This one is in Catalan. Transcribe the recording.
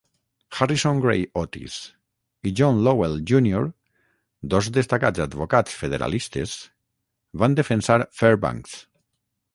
Harrison Gray Otis i John Lowell Junior, dos destacats advocats federalistes, van defensar Fairbanks.